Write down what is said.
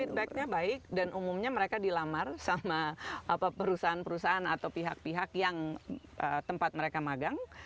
feedbacknya baik dan umumnya mereka dilamar sama perusahaan perusahaan atau pihak pihak yang tempat mereka magang